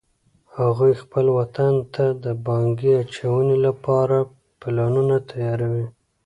هغوی خپل وطن ته د پانګې اچونې لپاره پلانونه تیار وی